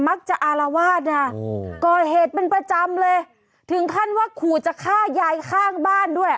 อารวาสนะก่อเหตุเป็นประจำเลยถึงขั้นว่าขู่จะฆ่ายายข้างบ้านด้วย